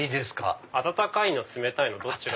温かいの冷たいのどっちが？